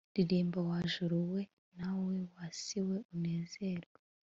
Ririmba wa juru we nawe wa si we unezerwe